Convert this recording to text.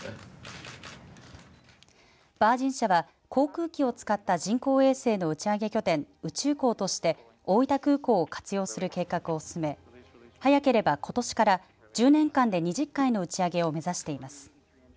ヴァージン社は航空機を使った人工衛星の打ち上げ拠点、宇宙港として大分空港を活用する計画を進め早ければことしから１０年間で２０回の打ち上げを目指しています。